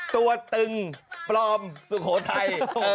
ตึงปลอมสุโขทัย